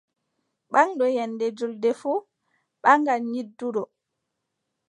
Ɓaŋɗo nyannde juulde fuu ɓaŋan nyidduɗo.